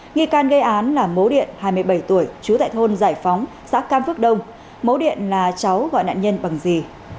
nghi can gây án là mố điện hai mươi bảy tuổi chú tại thôn giải phóng xã cam phước đông mố điện là cháu gọi nạn nhân bằng gì